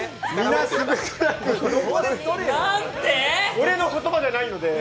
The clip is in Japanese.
俺の言葉じゃないので。